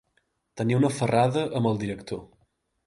Tenir una aferrada amb el director.